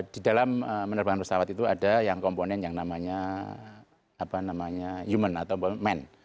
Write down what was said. di dalam penerbangan pesawat itu ada yang komponen yang namanya human atau man